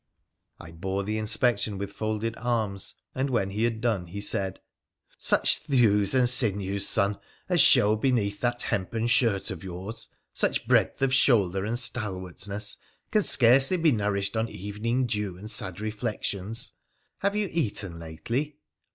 I bore the inspection with folded arms, and when he had done he said :—' Such thews and sinews, son, as show beneath that hempen shirt of yours, such breadth of shoulder and stalwart ness can scarcely be nourished on evening dew and sad reflections. Have you eaten lately